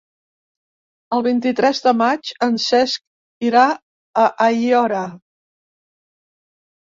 El vint-i-tres de maig en Cesc irà a Aiora.